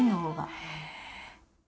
へえ。